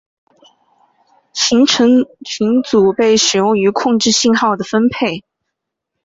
行程群组被使用于控制信号的分配。